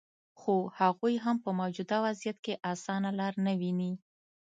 خو هغوي هم په موجوده وضعیت کې اسانه لار نه ویني